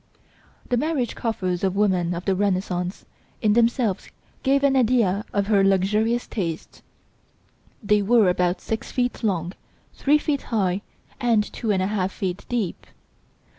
The marriage coffers of woman of the Renaissance in themselves give an idea of her luxurious tastes. They were about six feet long, three feet high, and two and a half feet deep.